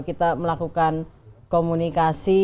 kita melakukan komunikasi